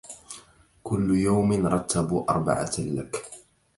كل يوم رتبوا أربعة لك